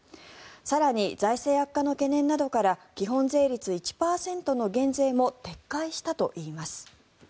更に、財政悪化の懸念などから基本税率１％の減税も撤回したといいます。